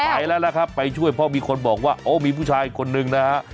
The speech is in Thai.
ไปแล้วนะครับไปช่วยเพราะมีคนบอกว่าโอ้มีผู้ชายคนนึงนะฮะ